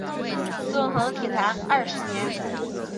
纵横体坛二十年。